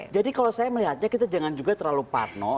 jadi kalau saya melihatnya kita jangan juga terlalu parno